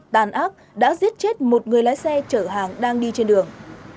tàn ác đã giết chết một người lái xe chở hàng đang đi trên đường